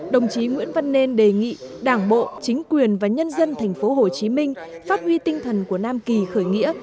đồng chí nguyễn văn nên đề nghị đảng bộ chính quyền và nhân dân tp hcm phát huy tinh thần của nam kỳ khởi nghĩa